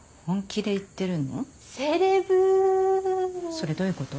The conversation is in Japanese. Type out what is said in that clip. それどういうこと？